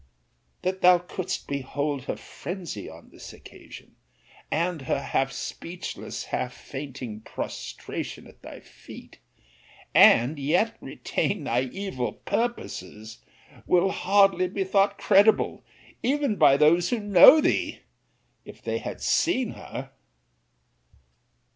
That thou couldst behold her phrensy on this occasion, and her half speechless, half fainting prostration at thy feet, and yet retain thy evil purposes, will hardly be thought credible, even by those who know thee, if they have seen her.